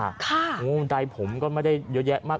ค่ะโอ้ชิบผมก็ไม่ได้เยอะแยะมาก